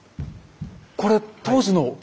これ当時の傷痕？